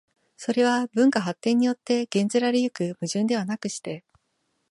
それは文化発展によって減ぜられ行く矛盾ではなくして、